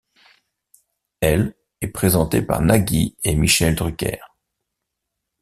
Ell est présentée par Nagui et Michel Drucker.